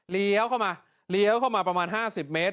เลี้ยวเข้ามาเลี้ยวเข้ามาประมาณ๕๐เมตร